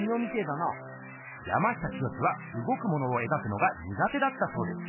山下清はうごくものをえがくのがにがてだったそうです。